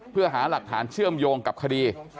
เพื่อหาหลักฐานเชื่อมโยงกับคดี